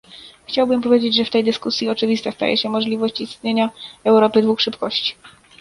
Chciałbym powiedzieć, że w tej dyskusji oczywista staje się możliwość istnienia Europy "dwóch szybkości"